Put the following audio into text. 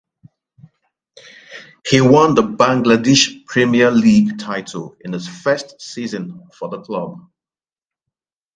He won the Bangladesh Premier League title in his first season for the club.